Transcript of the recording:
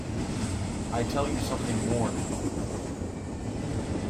I tell you something more now.